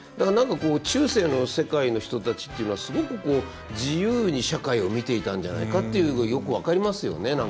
何かこう中世の世界の人たちっていうのはすごくこう自由に社会を見ていたんじゃないかっていうことがよく分かりますよね